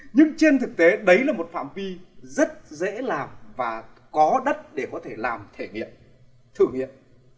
nhưng trên thực tế đấy là một phạm vi rất dễ làm và có đất để có thể làm thể nghiệm thử nghiệm